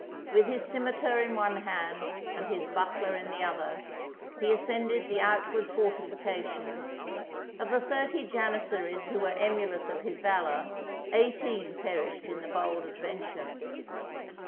With his cimeter in one hand and his buckler in the other, he ascended the outward fortification ; of the thirty Jani zaries who were emulous of his valour, eighteen perished in the bold adventure.